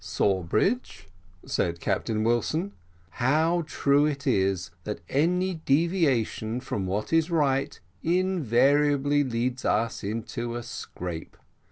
"Sawbridge," said Captain Wilson, "how true it is that any deviation from what is right invariably leads us into a scrape.